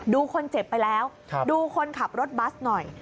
ดูคนเจ็บไปแล้วดูคนขับรถบัสหน่อย